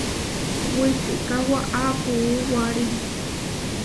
Wičika waʼá puú warí.